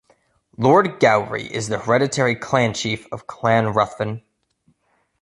Lord Gowrie is the hereditary Clan Chief of Clan Ruthven.